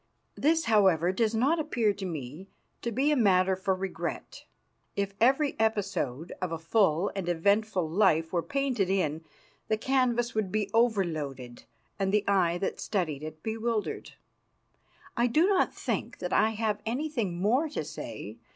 This, however, does not appear to me to be a matter for regret. If every episode of a full and eventful life were painted in, the canvas would be overloaded and the eye that studied it bewildered. I do not think that I have anything more to say.